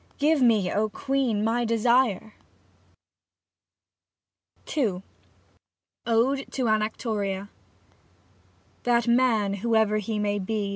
Give me, O Queen ! my desire ! 22 11 ODE TO ANACTORIA That man, whoever he may be.